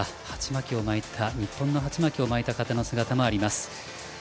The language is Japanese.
日本の鉢巻きを巻いた方の姿もあります。